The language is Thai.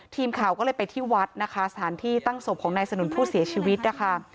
ทีมข่าวก็เลยไปที่วัดนะคะสถานที่ตั้งศพของนายสนุนผู้เสียชีวิตนะคะ